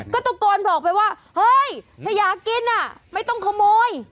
ก็ตะโกนบอกไปว่าเฮ้ยถ้าอยากกินไม่ต้องขโมย